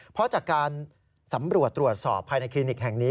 เพราะจากการสำรวจตรวจสอบภายในคลินิกแห่งนี้